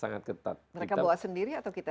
mereka bawa sendiri atau kita yang